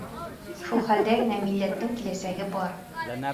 Шул хәлдә генә милләттең киләсәге бар.